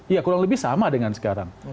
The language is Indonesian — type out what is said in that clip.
ya kurang lebih sama dengan sekarang